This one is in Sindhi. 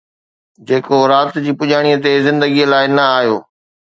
جيڪو رات جي پڄاڻيءَ تي زندگيءَ لاءِ نه آيو